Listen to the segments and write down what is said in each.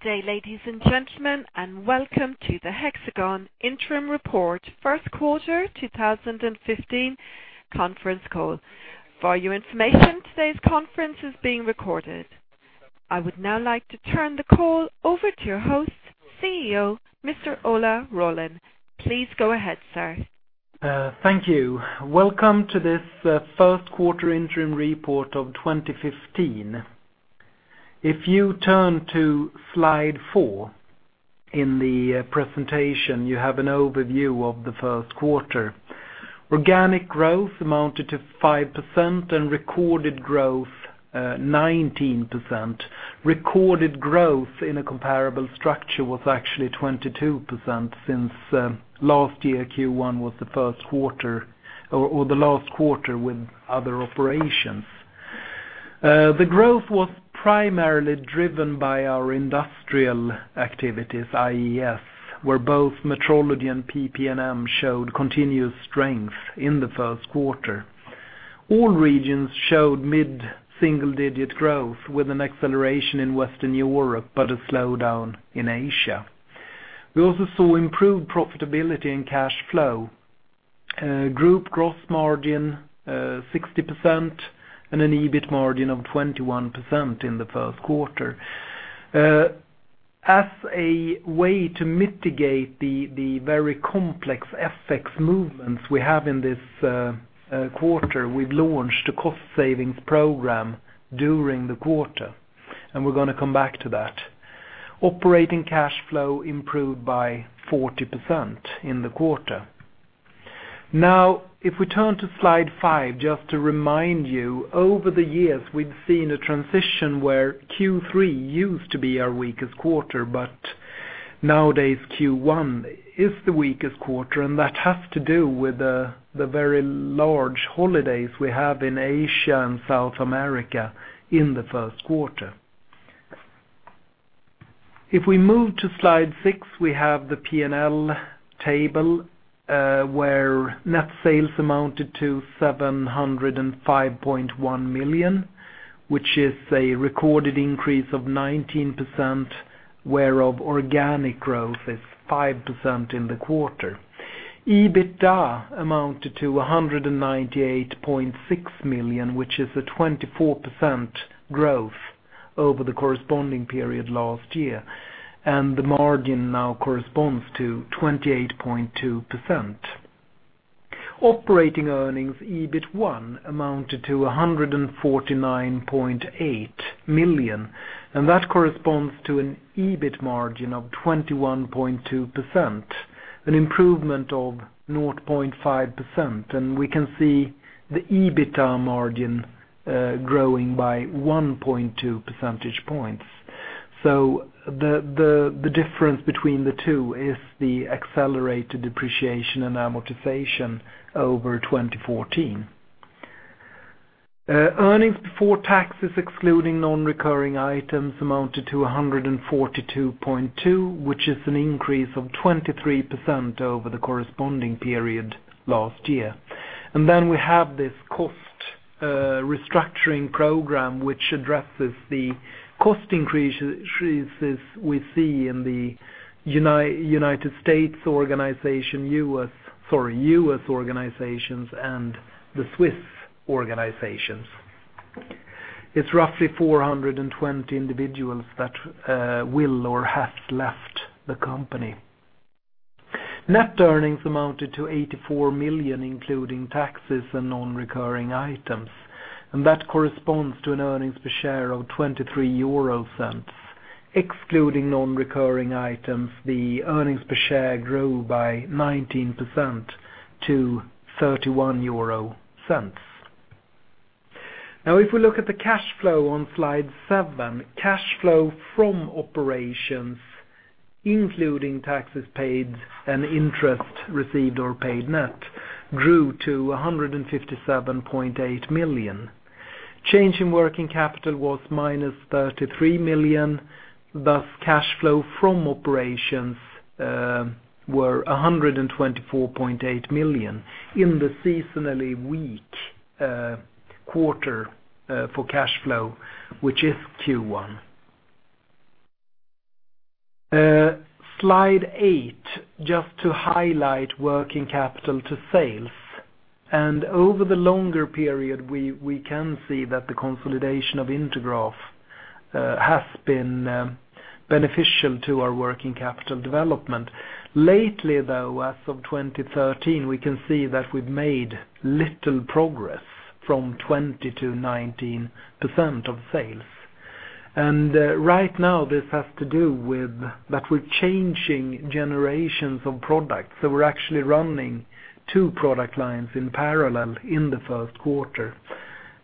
Good day, ladies and gentlemen, and welcome to the Hexagon interim report first quarter 2015 conference call. For your information, today's conference is being recorded. I would now like to turn the call over to your host, CEO, Mr. Ola Rollén. Please go ahead, sir. Thank you. Welcome to this first quarter interim report of 2015. If you turn to slide four in the presentation, you have an overview of the first quarter. Organic growth amounted to 5% and recorded growth 19%. Recorded growth in a comparable structure was actually 22% since last year, Q1 was the first quarter or the last quarter with other operations. The growth was primarily driven by our industrial activities, IES, where both metrology and PP&M showed continuous strength in the first quarter. All regions showed mid-single digit growth with an acceleration in Western Europe, but a slowdown in Asia. We also saw improved profitability and cash flow. Group gross margin 60% and an EBIT margin of 21% in the first quarter. As a way to mitigate the very complex FX movements we have in this quarter, we've launched a cost savings program during the quarter, and we're going to come back to that. Operating cash flow improved by 40% in the quarter. If we turn to slide five, just to remind you, over the years, we've seen a transition where Q3 used to be our weakest quarter, but nowadays Q1 is the weakest quarter, and that has to do with the very large holidays we have in Asia and South America in the first quarter. If we move to slide six, we have the P&L table, where net sales amounted to 705.1 million, which is a recorded increase of 19%, whereof organic growth is 5% in the quarter. EBITDA amounted to 198.6 million, which is a 24% growth over the corresponding period last year, and the margin now corresponds to 28.2%. Operating earnings, EBIT1, amounted to 149.8 million, and that corresponds to an EBIT margin of 21.2%, an improvement of 0.5%, and we can see the EBITDA margin growing by 1.2 percentage points. The difference between the two is the accelerated depreciation and amortization over 2014. Earnings before taxes, excluding non-recurring items, amounted to 142.2 million, which is an increase of 23% over the corresponding period last year. We have this cost restructuring program, which addresses the cost increases we see in the United States organization, sorry, U.S. organizations and the Swiss organizations. It's roughly 420 individuals that will or have left the company. Net earnings amounted to 84 million, including taxes and non-recurring items, that corresponds to an earnings per share of 0.23. Excluding non-recurring items, the earnings per share grew by 19% to 0.31. If we look at the cash flow on slide seven, cash flow from operations, including taxes paid and interest received or paid net, grew to 157.8 million. Change in working capital was -33 million. Thus, cash flow from operations were 124.8 million in the seasonally weak quarter for cash flow, which is Q1. Slide eight, just to highlight working capital to sales. Over the longer period, we can see that the consolidation of Intergraph has been beneficial to our working capital development. Lately, though, as of 2013, we can see that we've made little progress from 20% to 19% of sales. Right now, this has to do with that we're changing generations of products. We're actually running two product lines in parallel in the first quarter.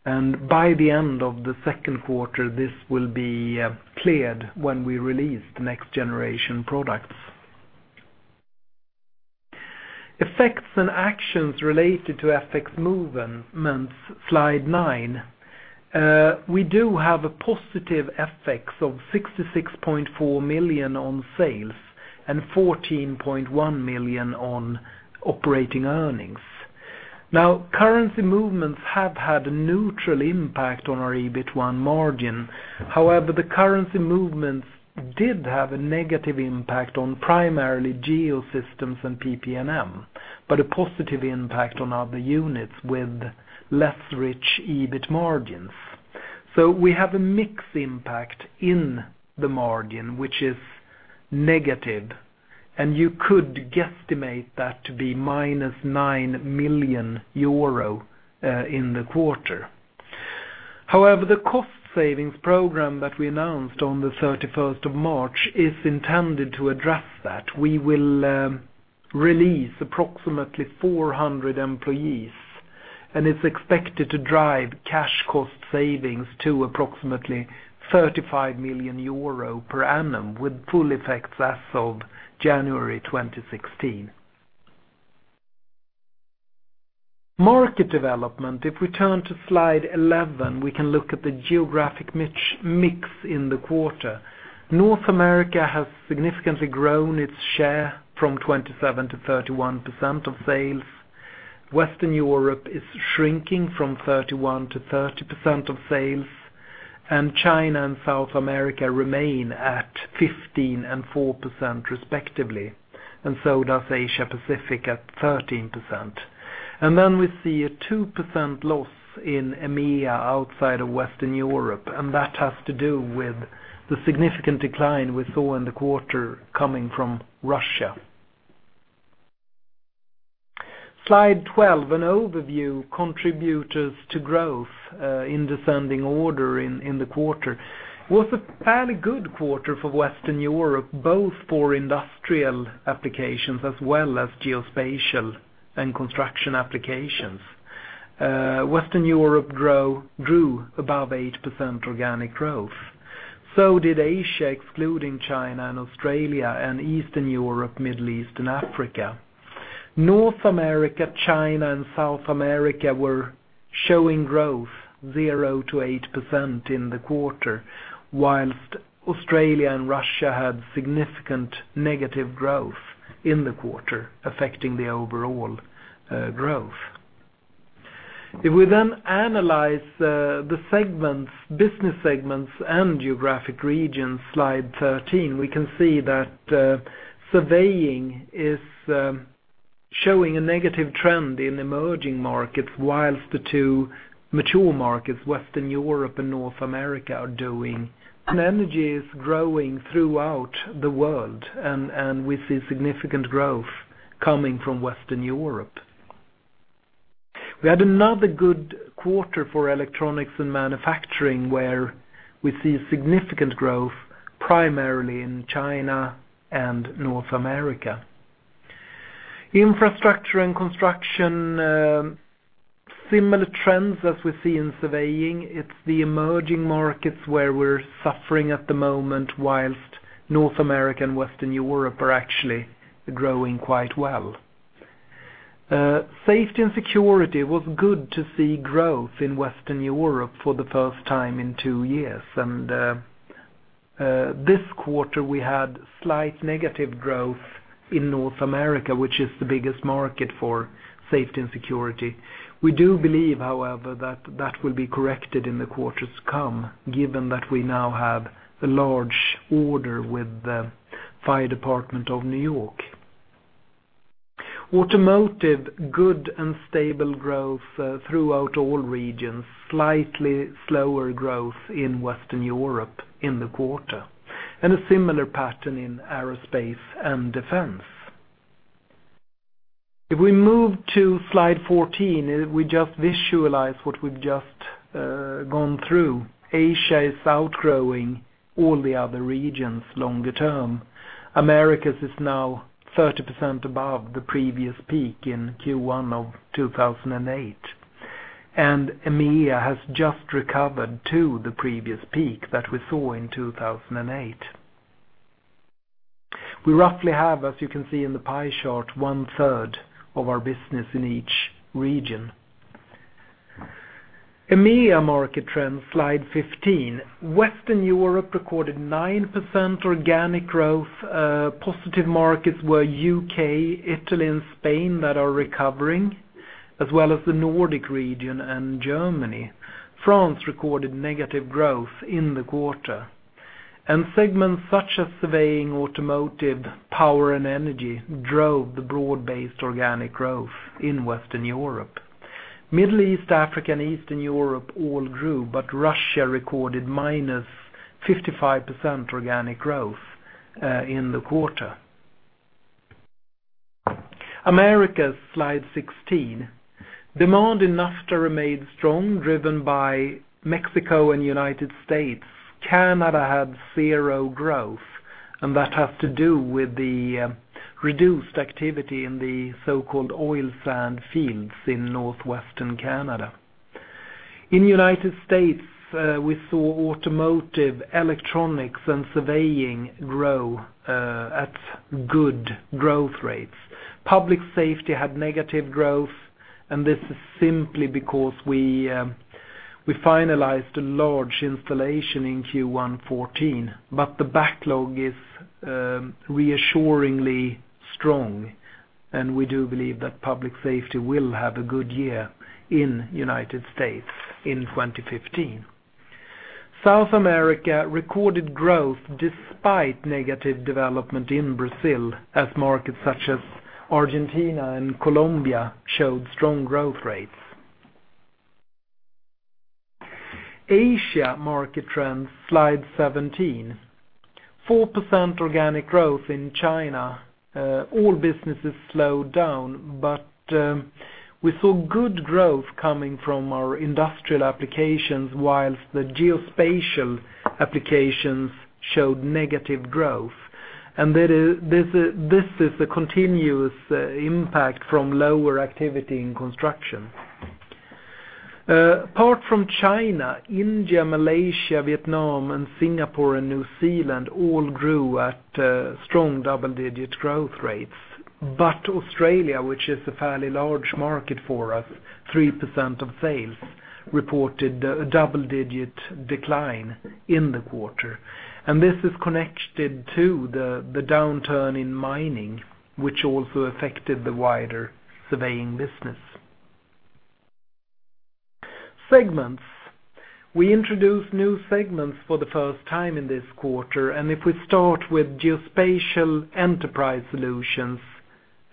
By the end of the second quarter, this will be cleared when we release the next generation products. Effects and actions related to FX movements, slide nine. We do have a positive FX of 66.4 million on sales and 14.1 million on operating earnings. Currency movements have had a neutral impact on our EBIT1 margin. However, the currency movements did have a negative impact on primarily Geosystems and PP&M, but a positive impact on other units with less rich EBIT margins. We have a mix impact in the margin, which is negative, and you could guesstimate that to be -9 million euro in the quarter. However, the cost savings program that we announced on the 31st of March is intended to address that. We will release approximately 400 employees, and it's expected to drive cash cost savings to approximately 35 million euro per annum, with full effects as of January 2016. Market development. If we turn to slide 11, we can look at the geographic mix in the quarter. North America has significantly grown its share from 27% to 31% of sales. Western Europe is shrinking from 31% to 30% of sales, China and South America remain at 15% and 4%, respectively, and so does Asia Pacific at 13%. Then we see a 2% loss in EMEA outside of Western Europe, and that has to do with the significant decline we saw in the quarter coming from Russia. Slide 12, an overview contributors to growth in descending order in the quarter. It was a fairly good quarter for Western Europe, both for industrial applications as well as geospatial and construction applications. Western Europe grew above 8% organic growth. So did Asia, excluding China and Australia, and Eastern Europe, Middle East, and Africa. North America, China, and South America were showing growth 0%-8% in the quarter, whilst Australia and Russia had significant negative growth in the quarter, affecting the overall growth. If we then analyze the business segments and geographic regions, slide 13, we can see that surveying is showing a negative trend in emerging markets, whilst the two mature markets, Western Europe and North America, are doing. Energy is growing throughout the world, and we see significant growth coming from Western Europe. We had another good quarter for electronics and manufacturing, where we see significant growth, primarily in China and North America. Infrastructure and construction, similar trends as we see in surveying. It's the emerging markets where we're suffering at the moment, whilst North America and Western Europe are actually growing quite well. Safety and security, it was good to see growth in Western Europe for the first time in two years. This quarter, we had slight negative growth in North America, which is the biggest market for safety and security. We do believe, however, that that will be corrected in the quarters to come, given that we now have a large order with the Fire Department of the City of New York. Automotive, good and stable growth throughout all regions, slightly slower growth in Western Europe in the quarter, and a similar pattern in aerospace and defense. We move to slide 14, we just visualize what we've just gone through. Asia is outgrowing all the other regions longer term. Americas is now 30% above the previous peak in Q1 of 2008. EMEA has just recovered to the previous peak that we saw in 2008. We roughly have, as you can see in the pie chart, one third of our business in each region. EMEA market trends, slide 15. Western Europe recorded 9% organic growth. Positive markets were U.K., Italy, and Spain that are recovering, as well as the Nordic region and Germany. France recorded negative growth in the quarter. Segments such as surveying, automotive, power, and energy drove the broad-based organic growth in Western Europe. Middle East, Africa, and Eastern Europe all grew. Russia recorded minus 55% organic growth in the quarter. Americas, slide 16. Demand in NAFTA remained strong, driven by Mexico and United States. Canada had zero growth. That has to do with the reduced activity in the so-called oil sand fields in northwestern Canada. In United States, we saw automotive, electronics, and surveying grow at good growth rates. Public safety had negative growth. This is simply because We finalized a large installation in Q1 2014. The backlog is reassuringly strong, and we do believe that public safety will have a good year in the United States in 2015. South America recorded growth despite negative development in Brazil, as markets such as Argentina and Colombia showed strong growth rates. Asia market trends, slide 17. 4% organic growth in China. All businesses slowed down, but we saw good growth coming from our industrial applications, whilst the geospatial applications showed negative growth. This is a continuous impact from lower activity in construction. Apart from China, India, Malaysia, Vietnam, Singapore, and New Zealand all grew at strong double-digit growth rates. Australia, which is a fairly large market for us, 3% of sales, reported a double-digit decline in the quarter. This is connected to the downturn in mining, which also affected the wider surveying business. Segments. We introduced new segments for the first time this quarter. If we start with Geospatial Enterprise Solutions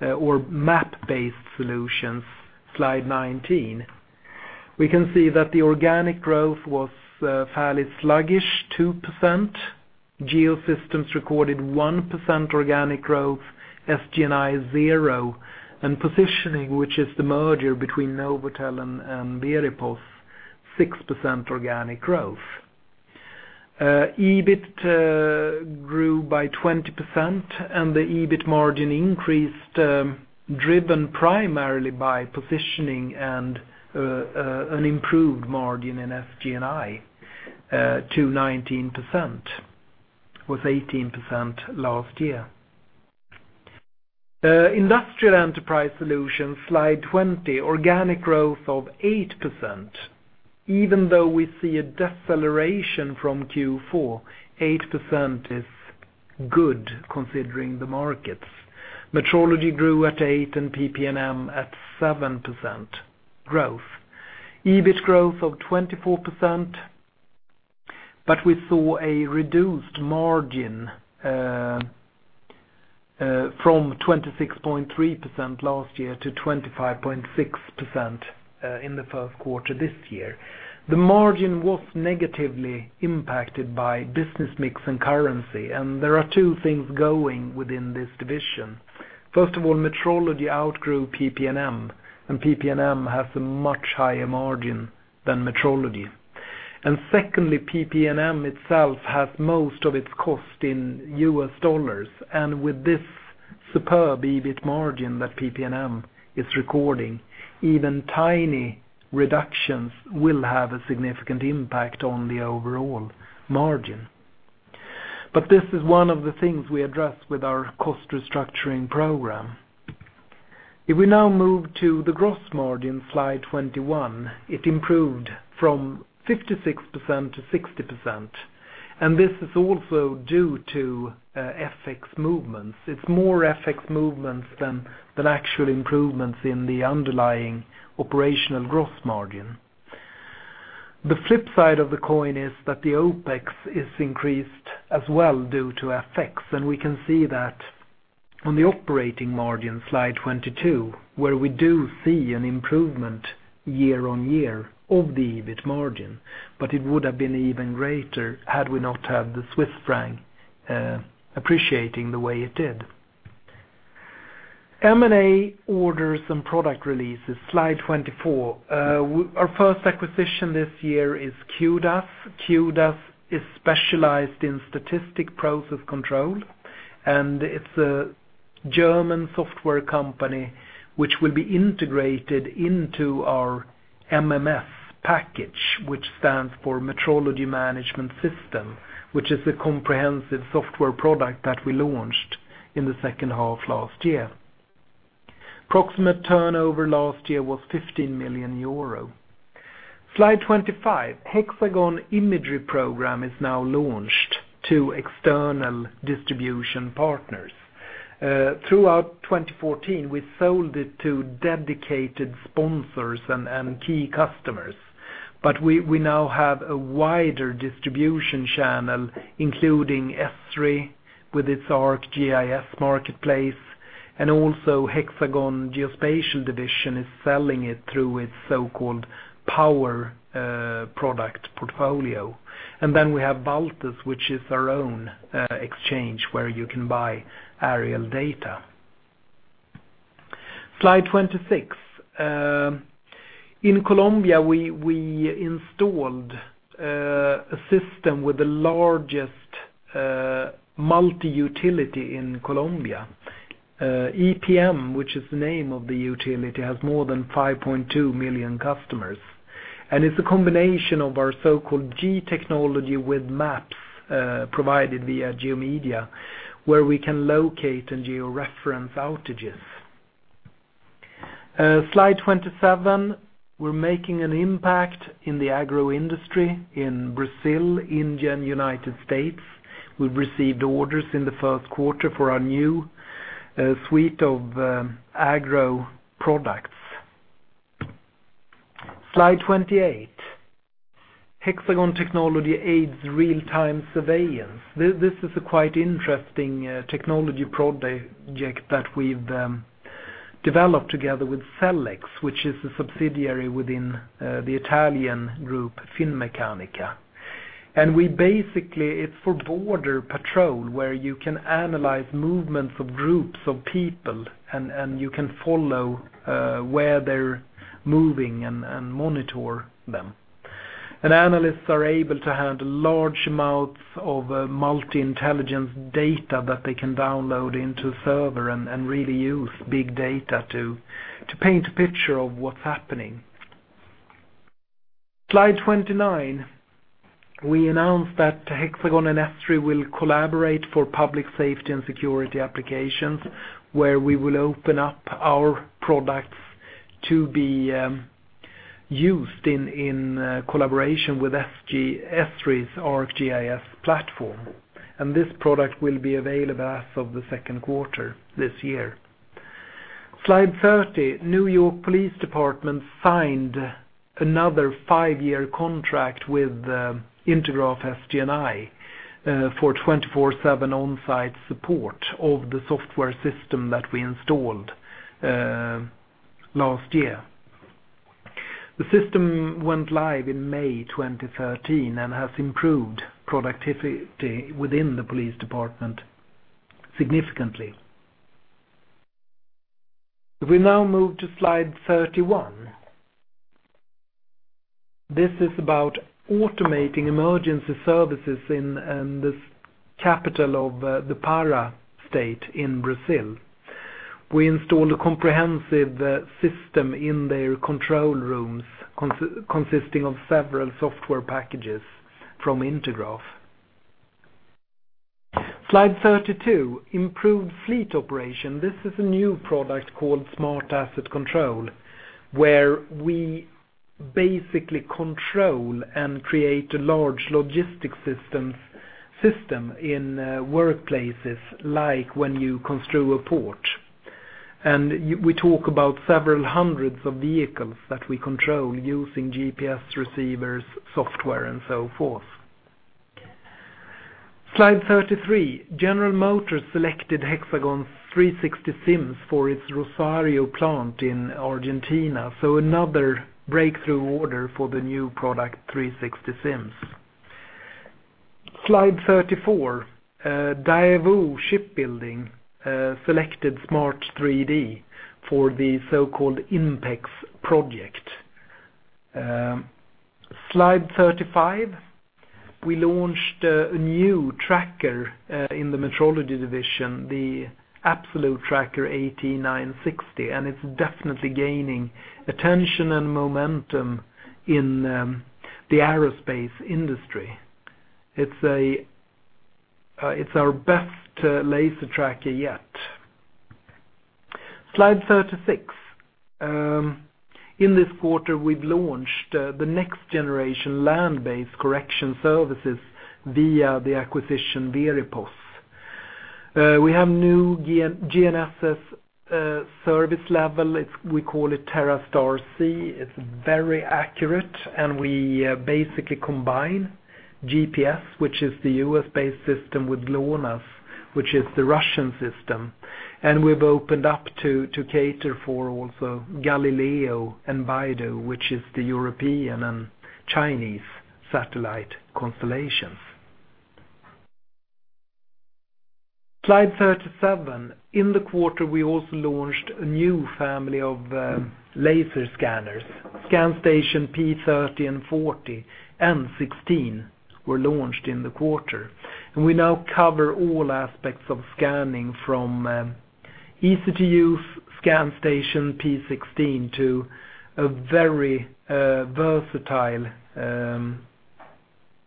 or map-based solutions, slide 19, we can see that the organic growth was fairly sluggish, 2%. Geosystems recorded 1% organic growth, SG&I 0%, and Positioning, which is the merger between NovAtel and Veripos, 6% organic growth. EBIT grew by 20%, and the EBIT margin increased, driven primarily by positioning and an improved margin in SG&I to 19%. It was 18% last year. Industrial Enterprise Solutions, slide 20. Organic growth of 8%, even though we see a deceleration from Q4, 8% is good considering the markets. Metrology grew at 8% and PP&M at 7% growth. EBIT growth of 24%, we saw a reduced margin from 26.3% last year to 25.6% in the first quarter this year. The margin was negatively impacted by business mix and currency. There are two things going within this division. First of all, Metrology outgrew PP&M. PP&M has a much higher margin than Metrology. Secondly, PP&M itself has most of its cost in US dollars, and with this superb EBIT margin that PP&M is recording, even tiny reductions will have a significant impact on the overall margin. This is one of the things we address with our cost restructuring program. If we now move to the gross margin, Slide 21, it improved from 56% to 60%. This is also due to FX movements. It's more FX movements than actual improvements in the underlying operational gross margin. The flip side of the coin is that the OPEX is increased as well due to FX. We can see that on the operating margin, Slide 22, where we do see an improvement year-on-year of the EBIT margin, it would have been even greater had we not had the Swiss franc appreciating the way it did. M&A orders and product releases, Slide 24. Our first acquisition this year is Q-DAS. Q-DAS is specialized in statistic process control. It's a German software company which will be integrated into our MMS package, which stands for Metrology Management System, which is a comprehensive software product that we launched in the second half last year. Approximate turnover last year was 15 million euro. Slide 25. Hexagon Imagery Program is now launched to external distribution partners. Throughout 2014, we sold it to dedicated sponsors and key customers. We now have a wider distribution channel, including Esri with its ArcGIS marketplace. Hexagon Geospatial division is selling it through its so-called Power Portfolio. Then we have Valtus, which is our own exchange where you can buy aerial data. Slide 26. In Colombia, we installed a system with the largest multi-utility in Colombia. EPM, which is the name of the utility, has more than 5.2 million customers. It's a combination of our so-called G/Technology with maps provided via GeoMedia, where we can locate and geo-reference outages. Slide 27, we're making an impact in the agro industry in Brazil, India, and United States. We've received orders in the first quarter for our new suite of agro products. Slide 28. Hexagon technology aids real-time surveillance. This is a quite interesting technology project that we've developed together with Selex ES, which is a subsidiary within the Italian group, Finmeccanica. We basically, it's for border patrol, where you can analyze movements of groups of people and you can follow where they're moving and monitor them. Analysts are able to handle large amounts of multi-intelligence data that they can download into server and really use big data to paint a picture of what's happening. Slide 29. We announced that Hexagon and Esri will collaborate for public safety and security applications, where we will open up our products to be used in collaboration with Esri's ArcGIS platform. This product will be available as of the second quarter this year. Slide 30, New York Police Department signed another five-year contract with Intergraph SG&I for 24/7 on-site support of the software system that we installed last year. The system went live in May 2013 and has improved productivity within the police department significantly. We now move to Slide 31. This is about automating emergency services in this capital of the Pará state in Brazil. We installed a comprehensive system in their control rooms consisting of several software packages from Intergraph. Slide 32, improved fleet operation. This is a new product called Smart Asset Control, where we basically control and create a large logistics system in workplaces, like when you construe a port. We talk about several hundreds of vehicles that we control using GPS receivers, software, and so forth. Slide 33, General Motors selected Hexagon's 360° SIMS for its Rosario plant in Argentina. Another breakthrough order for the new product 360° SIMS. Slide 34, Daewoo Shipbuilding selected Smart 3D for the so-called INPEX project. Slide 35, we launched a new tracker in the metrology division, the Absolute Tracker AT960, and it's definitely gaining attention and momentum in the aerospace industry. It's our best laser tracker yet. Slide 36. In this quarter, we've launched the next generation land-based correction services via the acquisition Veripos. We have new GNSS service level. We call it TerraStar-C. It's very accurate. We basically combine GPS, which is the U.S.-based system, with GLONASS, which is the Russian system. We've opened up to cater for also Galileo and BeiDou, which is the European and Chinese satellite constellations. Slide 37. In the quarter, we also launched a new family of laser scanners, ScanStation P30 and 40 and 16 were launched in the quarter. We now cover all aspects of scanning from easy-to-use ScanStation P16 to a very versatile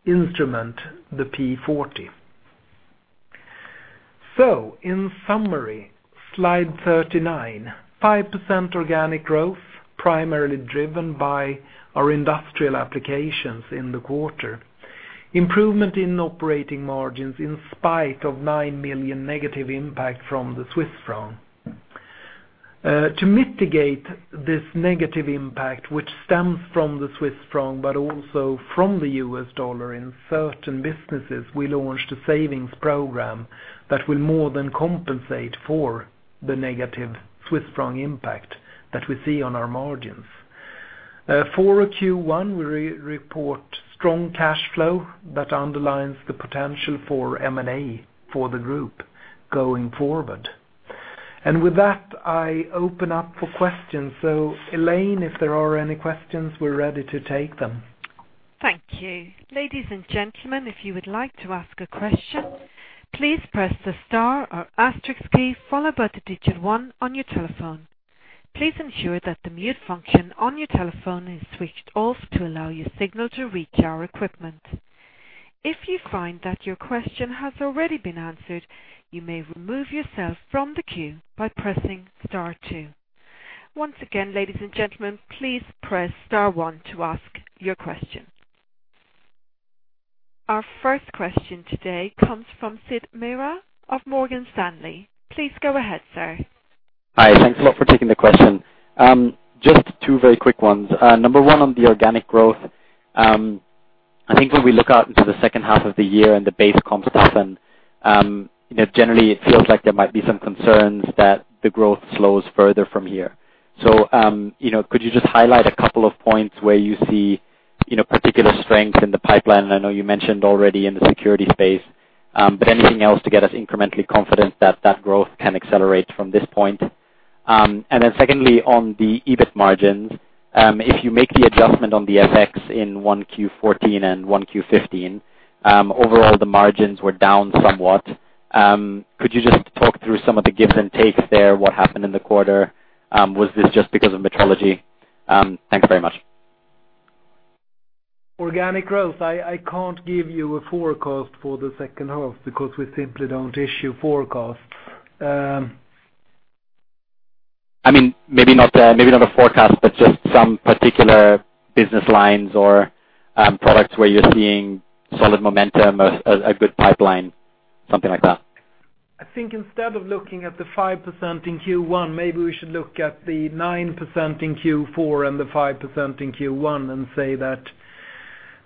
instrument, the P40. In summary, Slide 39, 5% organic growth, primarily driven by our industrial applications in the quarter. Improvement in operating margins in spite of 9 million negative impact from the Swiss franc. To mitigate this negative impact, which stems from the Swiss franc, but also from the U.S. dollar in certain businesses, we launched a savings program that will more than compensate for the negative Swiss franc impact that we see on our margins. For Q1, we report strong cash flow that underlines the potential for M&A for the group going forward. With that, I open up for questions. Elaine, if there are any questions, we're ready to take them. Thank you. Ladies and gentlemen, if you would like to ask a question, please press the star or asterisk key followed by the digit 1 on your telephone. Please ensure that the mute function on your telephone is switched off to allow your signal to reach our equipment. If you find that your question has already been answered, you may remove yourself from the queue by pressing star 2. Once again, ladies and gentlemen, please press star 1 to ask your question. Our first question today comes from Sidharth Mura of Morgan Stanley. Please go ahead, sir. Hi. Thanks a lot for taking the question. Just two very quick ones. Number one on the organic growth. I think when we look out into the second half of the year and the base comps often, generally it feels like there might be some concerns that the growth slows further from here. Could you just highlight a couple of points where you see particular strength in the pipeline? I know you mentioned already in the security space. Anything else to get us incrementally confident that that growth can accelerate from this point? Secondly, on the EBIT margins, if you make the adjustment on the FX in one Q14 and one Q15, overall the margins were down somewhat. Could you just talk through some of the gives and takes there? What happened in the quarter? Was this just because of metrology? Thanks very much. Organic growth, I can't give you a forecast for the second half because we simply don't issue forecasts. Maybe not a forecast, but just some particular business lines or products where you're seeing solid momentum, a good pipeline, something like that. I think instead of looking at the 5% in Q1, maybe we should look at the 9% in Q4 and the 5% in Q1 and say that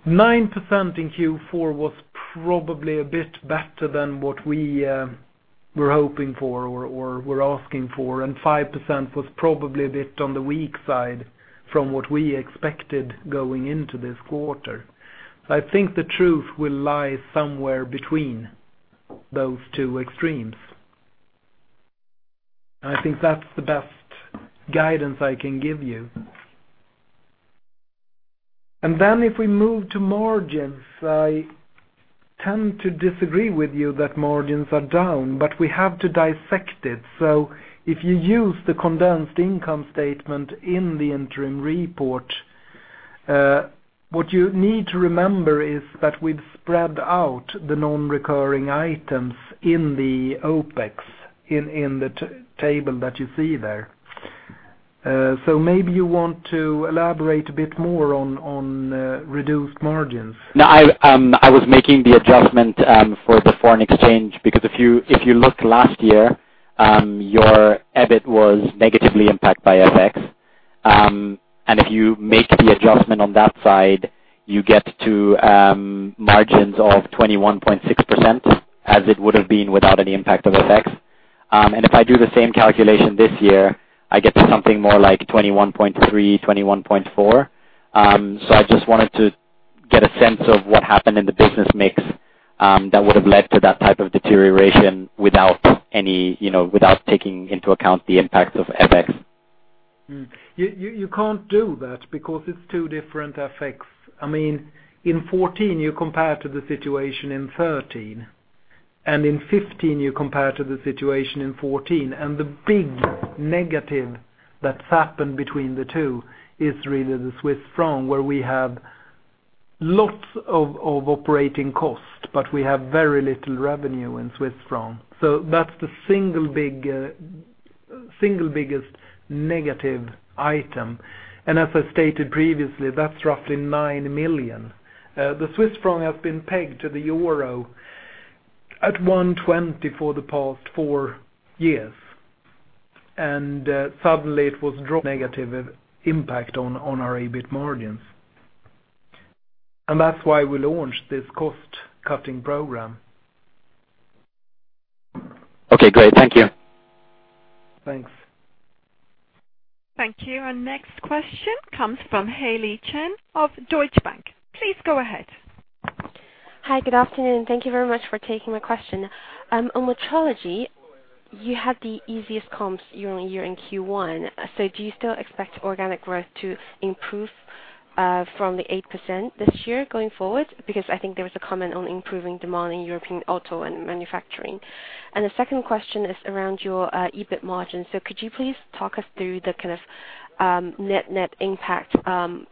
9% in Q4 was probably a bit better than what we were hoping for or were asking for. 5% was probably a bit on the weak side from what we expected going into this quarter. I think the truth will lie somewhere between those two extremes. I think that's the best guidance I can give you. If we move to margins, I tend to disagree with you that margins are down, but we have to dissect it. If you use the condensed income statement in the interim report, what you need to remember is that we've spread out the non-recurring items in the OpEx in the table that you see there. Maybe you want to elaborate a bit more on reduced margins. No, I was making the adjustment for the foreign exchange because if you looked last year, your EBIT was negatively impacted by FX. If you make the adjustment on that side, you get to margins of 21.6% as it would have been without any impact of FX. If I do the same calculation this year, I get to something more like 21.3%, 21.4%. I just wanted to get a sense of what happened in the business mix, that would have led to that type of deterioration without taking into account the impact of FX. You can't do that because it's two different FX. In 2014 you compare to the situation in 2013, in 2015 you compare to the situation in 2014. The big negative that's happened between the two is really the Swiss franc, where we have lots of operating cost, but we have very little revenue in Swiss franc. That's the single biggest negative item. As I stated previously, that's roughly 9 million. The Swiss franc has been pegged to the euro at 120 for the past four years. Suddenly it was dropped, negative impact on our EBIT margins. That's why we launched this cost-cutting program. Okay, great. Thank you. Thanks. Thank you. Our next question comes from Hailey Chen of Deutsche Bank. Please go ahead. Hi. Good afternoon. Thank you very much for taking my question. On metrology, you had the easiest comps year-on-year in Q1. Do you still expect organic growth to improve from the 8% this year going forward? I think there was a comment on improving demand in European auto and manufacturing. The second question is around your EBIT margin. Could you please talk us through the kind of net impact,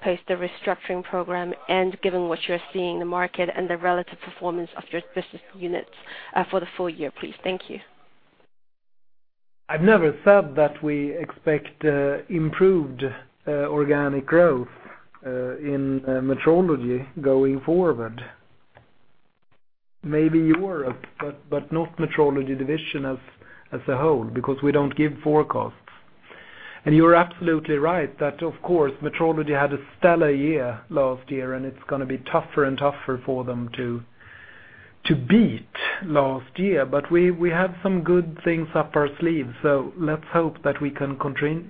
post the restructuring program and given what you're seeing in the market and the relative performance of your business units for the full year, please? Thank you. I've never said that we expect improved organic growth in metrology going forward. Maybe Europe, but not metrology division as a whole. We don't give forecasts. You're absolutely right, that of course, metrology had a stellar year last year, and it's going to be tougher and tougher for them to beat last year. We have some good things up our sleeve. Let's hope that we can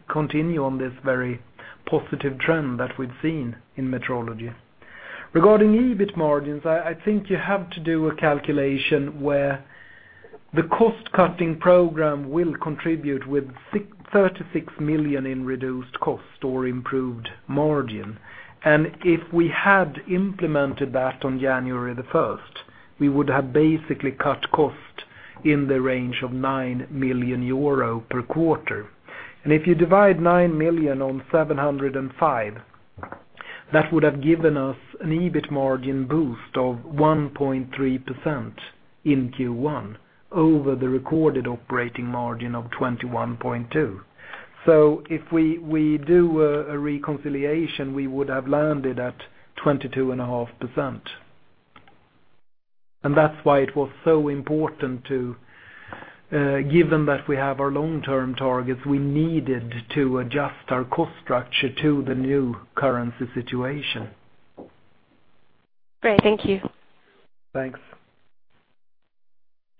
continue on this very positive trend that we've seen in metrology. Regarding EBIT margins, I think you have to do a calculation where the cost-cutting program will contribute with 36 million in reduced cost or improved margin. If we had implemented that on January 1st, we would have basically cut cost in the range of 9 million euro per quarter. If you divide 9 million on 705, that would have given us an EBIT margin boost of 1.3% in Q1 over the recorded operating margin of 21.2%. If we do a reconciliation, we would have landed at 22.5%. That's why it was so important to give them that we have our long-term targets. We needed to adjust our cost structure to the new currency situation. Great. Thank you. Thanks.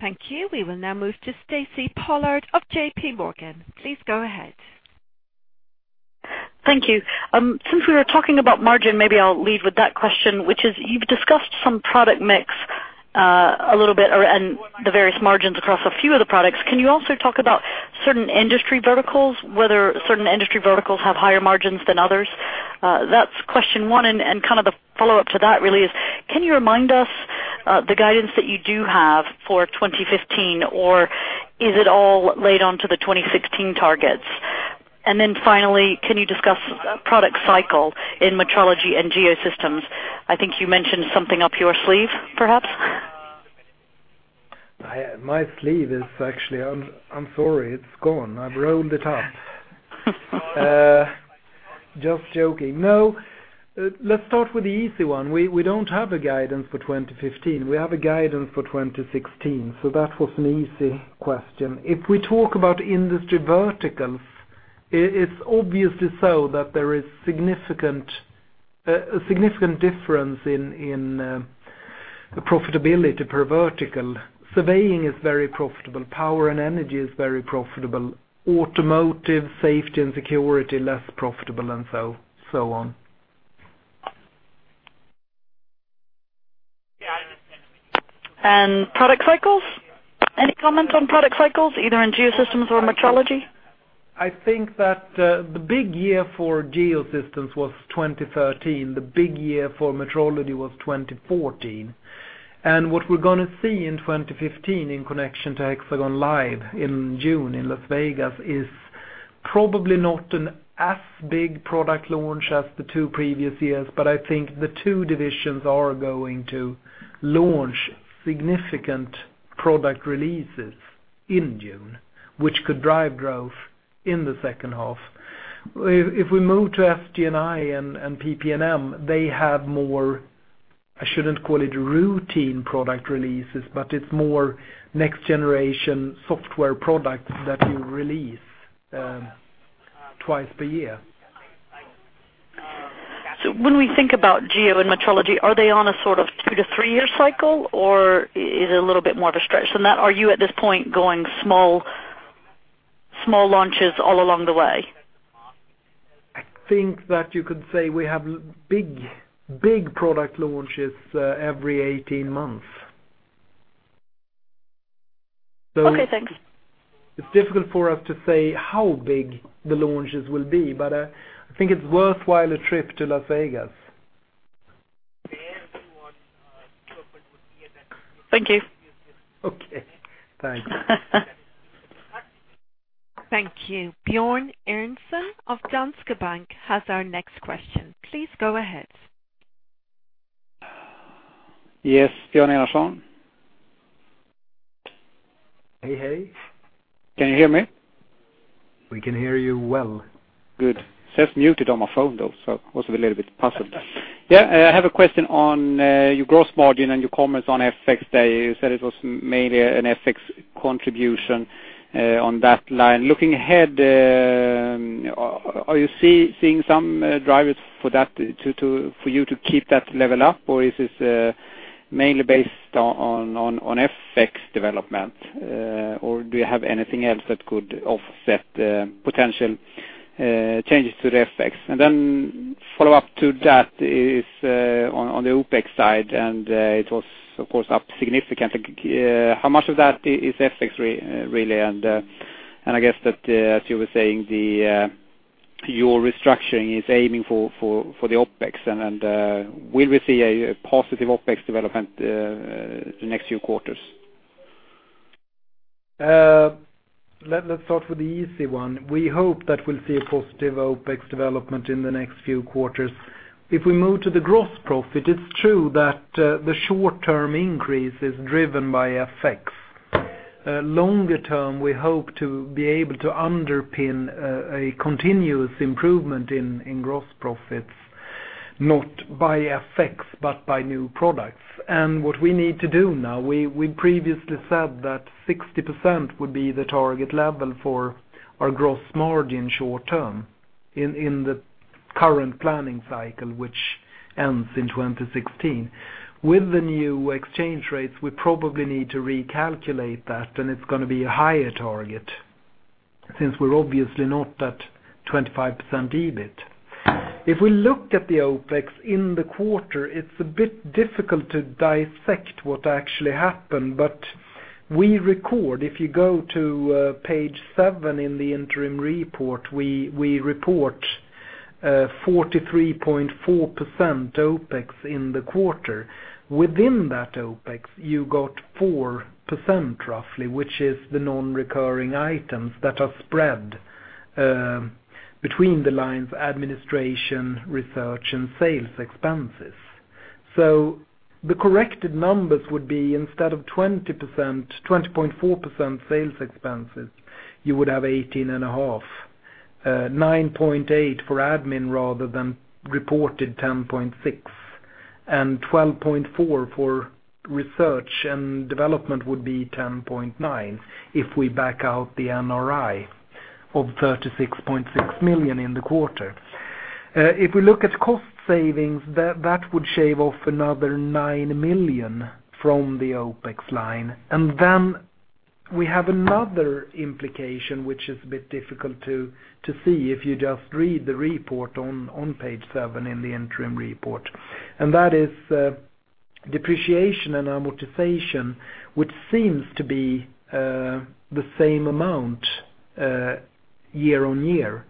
Thank you. We will now move to Stacy Pollard of JP Morgan. Please go ahead. Thank you. Since we were talking about margin, maybe I will lead with that question, which is, you've discussed some product mix a little bit, and the various margins across a few of the products. Can you also talk about certain industry verticals, whether certain industry verticals have higher margins than others? That's question one. The follow-up to that really is, can you remind us, the guidance that you do have for 2015, or is it all laid onto the 2016 targets? Then finally, can you discuss product cycle in metrology and Geosystems? I think you mentioned something up your sleeve, perhaps. My sleeve is actually, I'm sorry. It's gone. I've rolled it up. Just joking. Let's start with the easy one. We don't have a guidance for 2015. We have a guidance for 2016, so that was an easy question. If we talk about industry verticals, it's obviously so that there is a significant difference in the profitability per vertical. Surveying is very profitable. Power and energy is very profitable. Automotive, safety, and security, less profitable, and so on. Product cycles? Any comment on product cycles, either in Geosystems or metrology? I think that the big year for Geosystems was 2013. The big year for metrology was 2014. What we're going to see in 2015 in connection to HxGN LIVE in June in Las Vegas is probably not an as big product launch as the two previous years, I think the two divisions are going to launch significant product releases in June, which could drive growth in the second half. We move to SG&I and PP&M, they have more, I shouldn't call it routine product releases, but it's more next-generation software products that you release twice per year. When we think about geo and metrology, are they on a sort of two- to three-year cycle, or is it a little bit more of a stretch than that? Are you, at this point, going small launches all along the way? I think that you could say we have big product launches every 18 months. Okay, thanks. It's difficult for us to say how big the launches will be, but I think it's worthwhile a trip to Las Vegas. Thank you. Okay, thanks. Thank you. Björn Enarson of Danske Bank has our next question. Please go ahead. Yes, Björn Enarson. Hey. Can you hear me? We can hear you well. Good. It says muted on my phone, though, so must be a little bit puzzled. I have a question on your gross margin and your comments on FX day. You said it was mainly an FX contribution on that line. Looking ahead, are you seeing some drivers for you to keep that level up, or is this mainly based on FX development, or do you have anything else that could offset potential changes to the FX? Then follow-up to that is on the OpEx side, it was, of course, up significant. How much of that is FX, really? I guess that as you were saying, your restructuring is aiming for the OpEx, will we see a positive OpEx development the next few quarters? Let's start with the easy one. We hope that we'll see a positive OpEx development in the next few quarters. If we move to the gross profit, it's true that the short-term increase is driven by FX. Longer term, we hope to be able to underpin a continuous improvement in gross profits, not by FX, but by new products. What we need to do now, we previously said that 60% would be the target level for our gross margin short term in the current planning cycle, which ends in 2016. With the new exchange rates, we probably need to recalculate that, it's going to be a higher target since we're obviously not at 25% EBIT. If we look at the OpEx in the quarter, it's a bit difficult to dissect what actually happened. We record, if you go to page seven in the interim report, we report 43.4% OpEx in the quarter. Within that OpEx, you got 4% roughly, which is the non-recurring items that are spread between the lines, administration, research and sales expenses. So the corrected numbers would be instead of 20.4% sales expenses, you would have 18.5%. 9.8% for admin rather than reported 10.6%, and 12.4% for research and development would be 10.9%, if we back out the NRI of 36.6 million in the quarter. If we look at cost savings, that would shave off another 9 million from the OpEx line. Then we have another implication, which is a bit difficult to see if you just read the report on page seven in the interim report. That is depreciation and amortization, which seems to be the same amount year-over-year.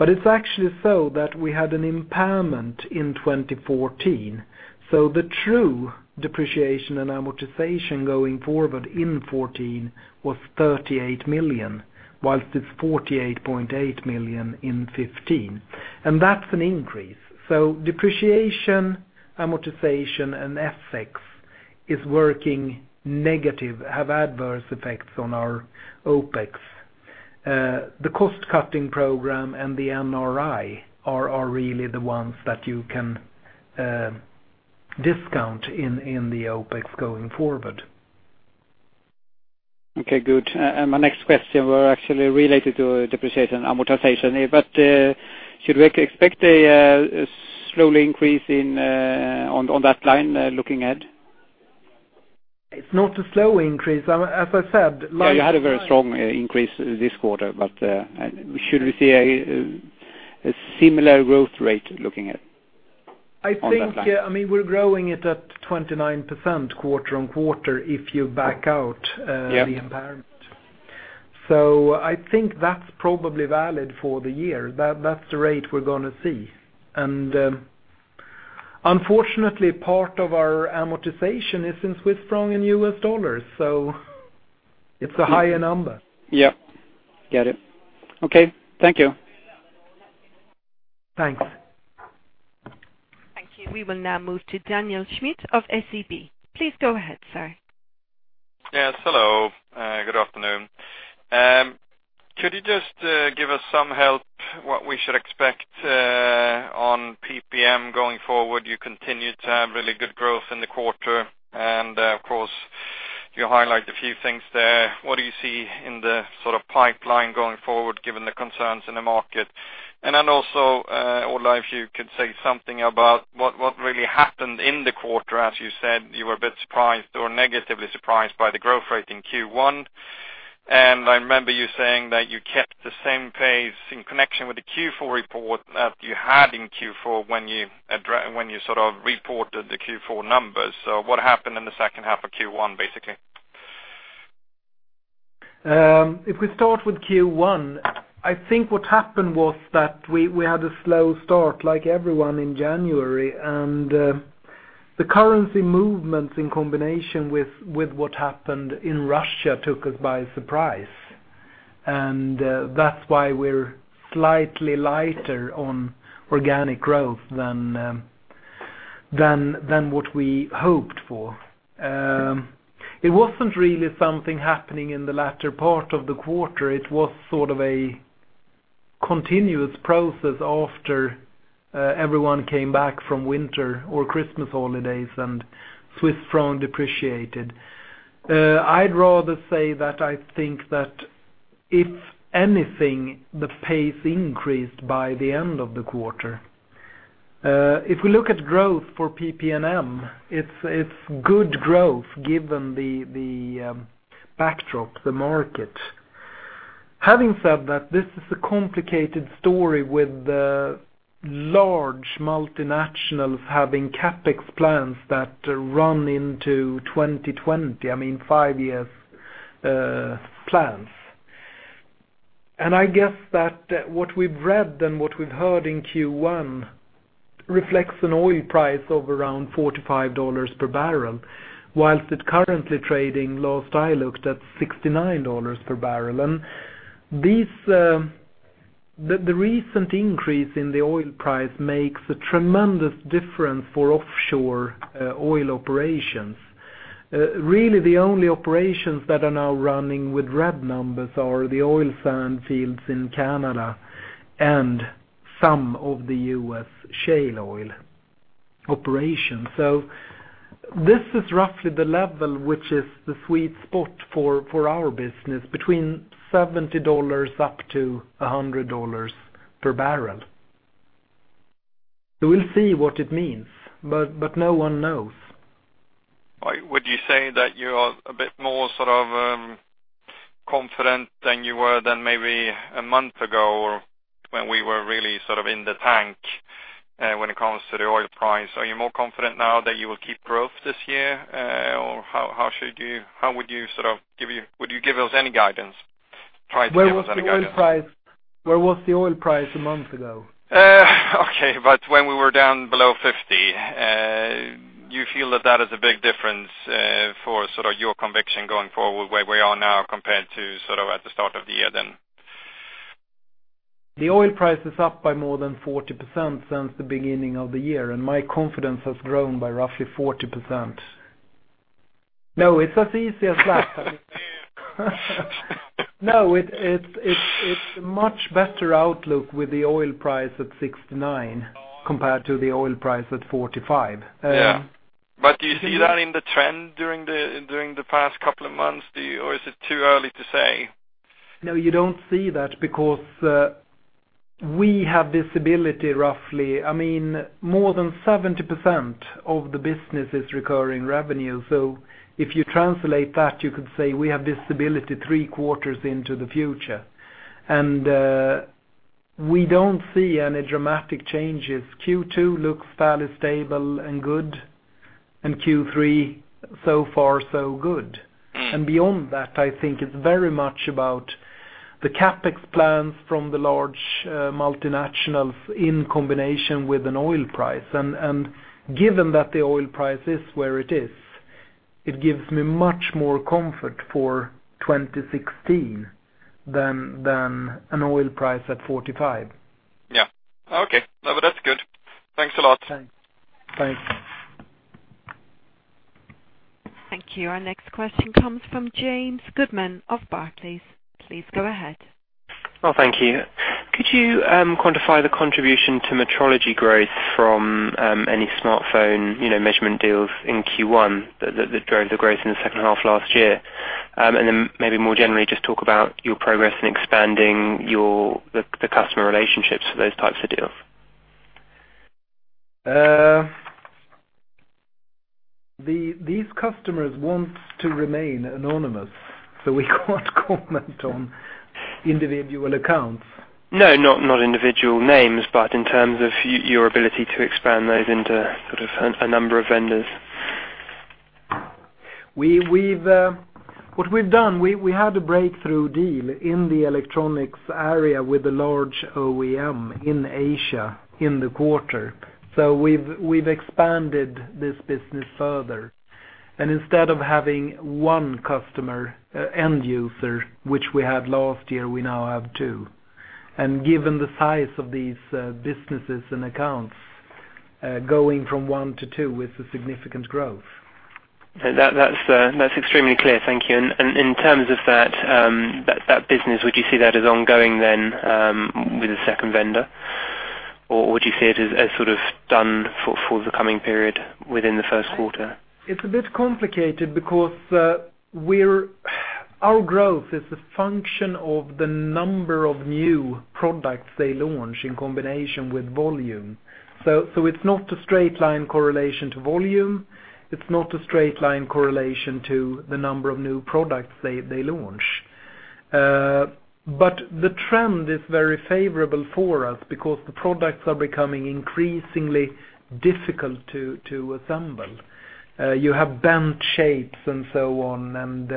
It's actually so that we had an impairment in 2014. The true depreciation and amortization going forward in 2014 was 38 million, whilst it's 48.8 million in 2015. That's an increase. Depreciation, amortization, and FX is working negative, have adverse effects on our OPEX. The cost-cutting program and the NRI are really the ones that you can discount in the OPEX going forward. Okay, good. My next question were actually related to depreciation, amortization. Should we expect a slow increase on that line looking ahead? It's not a slow increase. As I said. Yeah, you had a very strong increase this quarter, should we see a similar growth rate looking at on that line? I think we're growing it at 29% quarter-on-quarter if you back out. Yeah The impairment. I think that's probably valid for the year. That's the rate we're going to see. Unfortunately, part of our amortization is in Swiss franc and US dollars, so it's a higher number. Yep. Get it. Okay. Thank you. Thanks. Thank you. We will now move to Daniel Schmidt of SEB. Please go ahead, sir. Yes, hello. Good afternoon. Could you just give us some help what we should expect on PP&M going forward? You continued to have really good growth in the quarter, and, of course, you highlight a few things there. What do you see in the pipeline going forward, given the concerns in the market? Ola, if you could say something about what really happened in the quarter. As you said, you were a bit surprised or negatively surprised by the growth rate in Q1. I remember you saying that you kept the same pace in connection with the Q4 report that you had in Q4 when you reported the Q4 numbers. What happened in the second half of Q1, basically? If we start with Q1, I think what happened was that we had a slow start like everyone in January, and the currency movements in combination with what happened in Russia took us by surprise. That's why we're slightly lighter on organic growth than what we hoped for. It wasn't really something happening in the latter part of the quarter. It was sort of a continuous process after everyone came back from winter or Christmas holidays and Swiss franc depreciated. I'd rather say that I think that if anything, the pace increased by the end of the quarter. If we look at growth for PP&M, it's good growth given the backdrop, the market. Having said that, this is a complicated story with large multinationals having CapEx plans that run into 2020, I mean, five years plans. I guess that what we've read and what we've heard in Q1 reflects an oil price of around $45 per barrel, whilst it currently trading last I looked at $69 per barrel. The recent increase in the oil price makes a tremendous difference for offshore oil operations. Really, the only operations that are now running with red numbers are the oil sand fields in Canada and some of the U.S. shale oil operations. This is roughly the level which is the sweet spot for our business, between $70 up to $100 per barrel. We will see what it means, but no one knows. Would you say that you are a bit more confident than you were than maybe a month ago, or when we were really in the tank? When it comes to the oil price, are you more confident now that you will keep growth this year? Would you give us any guidance? Try to give us any guidance. Where was the oil price a month ago? Okay, when we were down below 50, you feel that that is a big difference for your conviction going forward where we are now compared to at the start of the year then? The oil price is up by more than 40% since the beginning of the year, and my confidence has grown by roughly 40%. No, it's as easy as that. No, it's a much better outlook with the oil price at 69 compared to the oil price at 45. Yeah. Do you see that in the trend during the past couple of months, or is it too early to say? No, you don't see that because we have visibility roughly, more than 70% of the business is recurring revenue. If you translate that, you could say we have visibility three quarters into the future. We don't see any dramatic changes. Q2 looks fairly stable and good, and Q3 so far so good. Beyond that, I think it's very much about the CapEx plans from the large multinationals in combination with an oil price. Given that the oil price is where it is, it gives me much more comfort for 2016 than an oil price at 45. Yeah. Okay. No, that's good. Thanks a lot. Thanks. Thank you. Our next question comes from James Stettler of Barclays. Please go ahead. Well, thank you. Could you quantify the contribution to metrology growth from any smartphone measurement deals in Q1 that drove the growth in the second half last year? Maybe more generally, just talk about your progress in expanding the customer relationships for those types of deals. These customers want to remain anonymous, we can't comment on individual accounts. No, not individual names, in terms of your ability to expand those into a number of vendors. What we've done, we had a breakthrough deal in the electronics area with a large OEM in Asia in the quarter. We've expanded this business further. Instead of having one customer end user, which we had last year, we now have two. Given the size of these businesses and accounts, going from one to two is a significant growth. That's extremely clear. Thank you. In terms of that business, would you see that as ongoing then with a second vendor? Would you see it as sort of done for the coming period within the first quarter? It's a bit complicated because our growth is a function of the number of new products they launch in combination with volume. It's not a straight line correlation to volume. It's not a straight line correlation to the number of new products they launch. The trend is very favorable for us because the products are becoming increasingly difficult to assemble. You have bent shapes and so on, and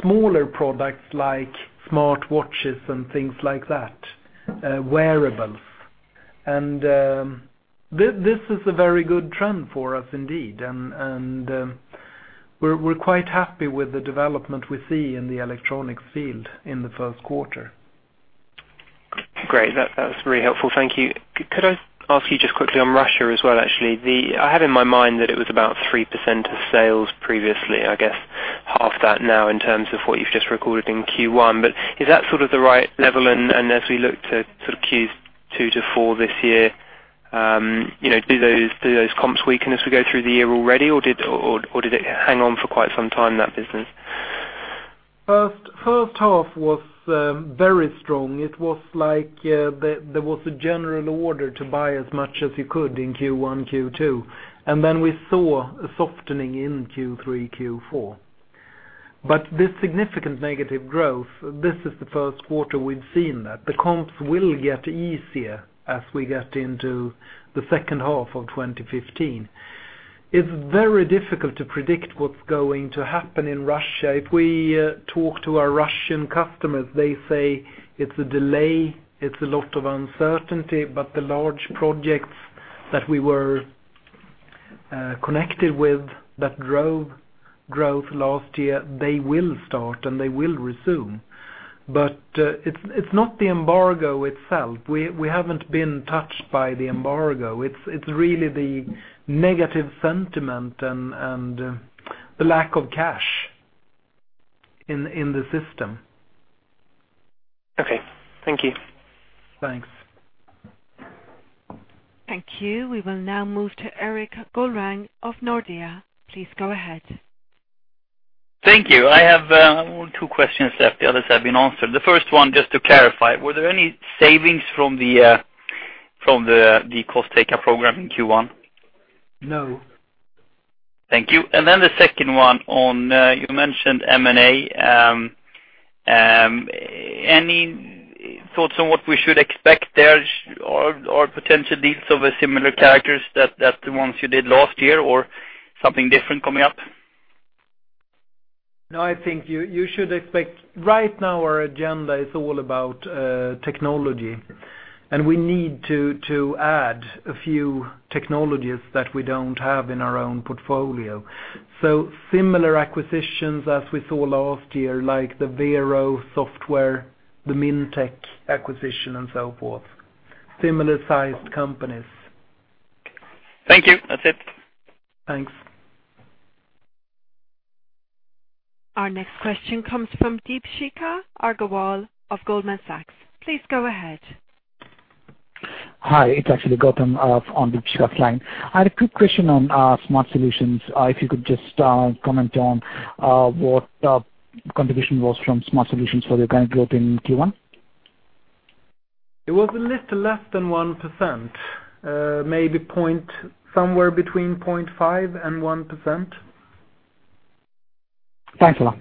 smaller products like smartwatches and things like that, wearables. This is a very good trend for us indeed, and we're quite happy with the development we see in the electronic field in the first quarter. Great. That's very helpful. Thank you. Could I ask you just quickly on Russia as well, actually. I have in my mind that it was about 3% of sales previously, I guess half that now in terms of what you've just recorded in Q1. Is that sort of the right level? As we look to sort of Q2 to four this year, do those comps weaken as we go through the year already, or did it hang on for quite some time, that business? First half was very strong. It was like there was a general order to buy as much as you could in Q1, Q2. We saw a softening in Q3, Q4. This significant negative growth, this is the first quarter we've seen that. The comps will get easier as we get into the second half of 2015. It's very difficult to predict what's going to happen in Russia. If we talk to our Russian customers, they say it's a delay, it's a lot of uncertainty, but the large projects that we were connected with that drove growth last year, they will start, and they will resume. It's not the embargo itself. We haven't been touched by the embargo. It's really the negative sentiment and the lack of cash in the system. Okay. Thank you. Thanks. Thank you. We will now move to Erik Golrang of Nordea. Please go ahead. Thank you. I have only two questions left. The others have been answered. The first one, just to clarify, were there any savings from the cost takeout program in Q1? No Then the second one on, you mentioned M&A. Any thoughts on what we should expect there or potential deals of a similar characters that the ones you did last year or something different coming up? No, I think you should expect right now our agenda is all about technology. We need to add a few technologies that we don't have in our own portfolio. Similar acquisitions as we saw last year, like the Vero Software, the Mintec acquisition, and so forth, similar sized companies. Thank you. That's it. Thanks. Our next question comes from Deepshikha Agarwal of Goldman Sachs. Please go ahead. Hi, it's actually Gautam on Deepshikha's line. I had a quick question on Smart Solutions. If you could just comment on what contribution was from Smart Solutions for the current growth in Q1. It was a little less than 1%, maybe somewhere between 0.5% and 1%. Thanks a lot.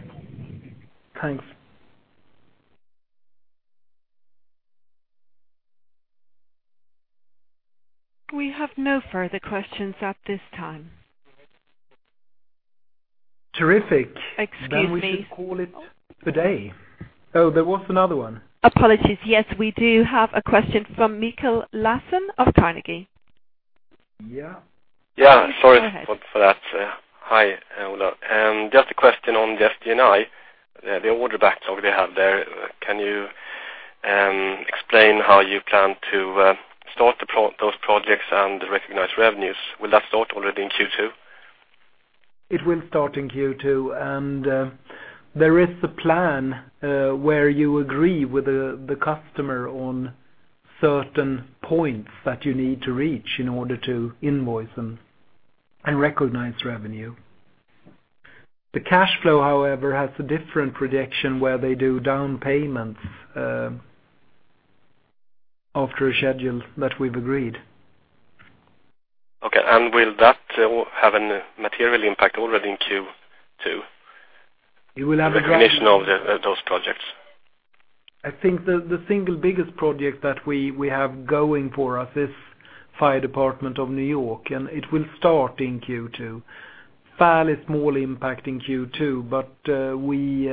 Thanks. We have no further questions at this time. Terrific. Excuse me. We should call it a day. Oh, there was another one. Apologies. Yes, we do have a question from Mikael Lassen of Carnegie. Yeah. Yeah. Sorry for that. Hi, Ola. Just a question on the SG&I, the order backlog they have there. Can you explain how you plan to start those projects and recognize revenues? Will that start already in Q2? It will start in Q2. There is a plan, where you agree with the customer on certain points that you need to reach in order to invoice them and recognize revenue. The cash flow, however, has a different projection where they do down payments after a schedule that we've agreed. Okay. Will that have a material impact already in Q2? You will have. Recognition of those projects. I think the single biggest project that we have going for us is Fire Department of New York, and it will start in Q2. Fairly small impact in Q2, but we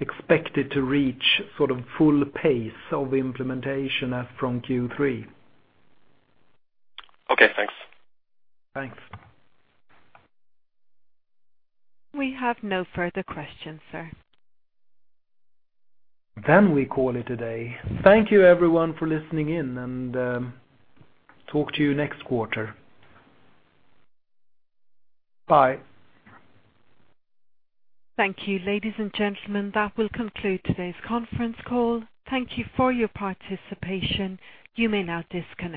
expect it to reach sort of full pace of implementation as from Q3. Okay, thanks. Thanks. We have no further questions, sir. We call it a day. Thank you, everyone, for listening in and talk to you next quarter. Bye. Thank you, ladies and gentlemen. That will conclude today's conference call. Thank you for your participation. You may now disconnect.